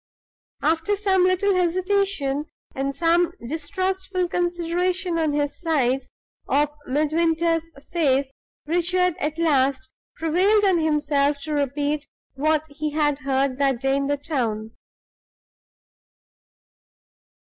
After some little hesitation, and some distrustful consideration, on his side, of Midwinter's face, Richard at last prevailed on himself to repeat what he had heard that day in the town.